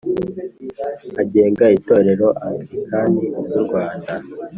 agenga Itorero Anglikani ry u Rwanda